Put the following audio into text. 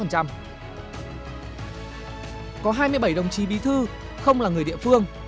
có hai mươi bảy đồng chí bí thư không là người địa phương